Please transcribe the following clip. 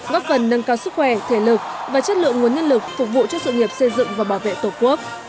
góp phần nâng cao sức khỏe thể lực và chất lượng nguồn nhân lực phục vụ cho sự nghiệp xây dựng và bảo vệ tổ quốc